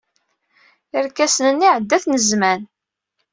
Irkasen-nni iɛedda-ten zzman.